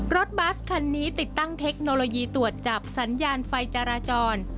รถบัสคันนี้ติดตั้งเทคโนโลยีตรวจจับสัญญาณไฟจราจร